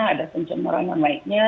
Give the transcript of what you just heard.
ada penjemuran dan lainnya